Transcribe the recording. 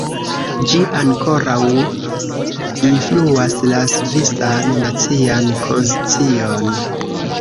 Ĝi ankoraŭ influas la svisan nacian konscion.